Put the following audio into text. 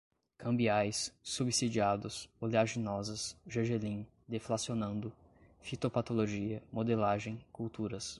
cambiais, subsidiados, oleaginosas, gergelim, deflacionando, fitopatologia, modelagem, culturas